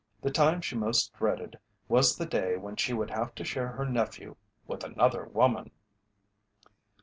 The time she most dreaded was the day when she would have to share her nephew with another woman.